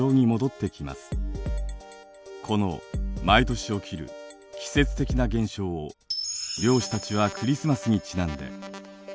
この毎年起きる季節的な現象を漁師たちはクリスマスにちなんで「エルニーニョ」と呼んでいます。